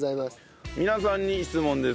皆さんに質問です。